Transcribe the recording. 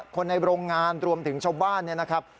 คนในโรงงานรวมถึงชาวบ้านเนี่ยนะครับ